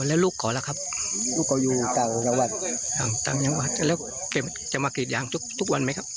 แล้วจะมากิดยังทุกวันมั้ยครับ